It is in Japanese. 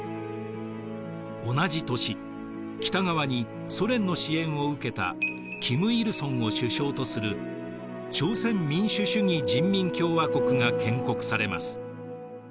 同じ年北側にソ連の支援を受けた金日成を首相とする朝鮮民主主義人民共和国が建国されます。